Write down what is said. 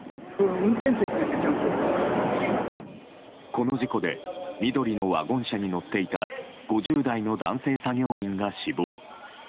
この事故で緑のワゴン車に乗っていた５０代の男性作業員が死亡。